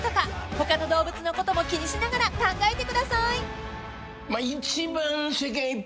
［他の動物のことも気にしながら考えてください］